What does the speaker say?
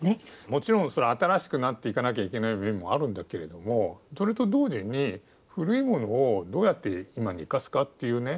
もちろん新しくなっていかなきゃいけない面もあるんだけれどもそれと同時に古いものをどうやって今に生かすかっていうね